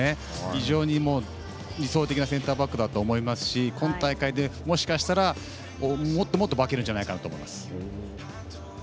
非常に理想的なセンターバックだと思いますし、今大会で、もしかしたらもっともっと化けるんじゃないかなと思います。